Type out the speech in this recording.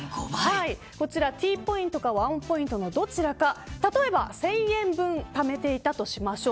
こちら、ＴポイントかＷＡＯＮポイントのどちらか例えば、１０００円分ためていたとしましょう。